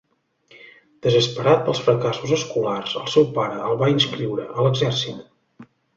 Desesperat pels fracassos escolars, el seu pare el va inscriure a l'exèrcit.